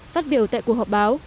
phát biểu tại cuộc họp báo